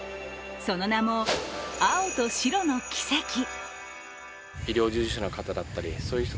その名も、青と白のキセキ。